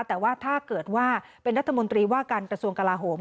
แต่ว่าถ้าเกิดว่าเป็นรัฐมนตรีว่าการกระทรวงกลาโหม